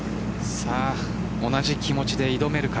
同じ気持ちで挑めるか。